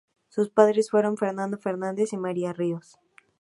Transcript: Sus padres fueron Fernando Fernández y María Ríos.